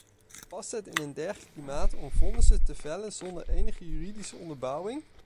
Past het in een dergelijk klimaat om vonnissen te vellen zonder enige juridische onderbouwing?